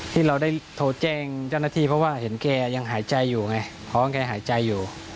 ที่เราได้โทรแจ้งเจ้าหน้าที่เพราะว่าเห็นแกยังหายใจอยู่ไงเพราะว่าแกหายใจอยู่